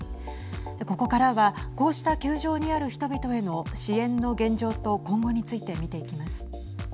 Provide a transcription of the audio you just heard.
ここからはこうした窮状にある人々への支援の現状と今後について見ていきます。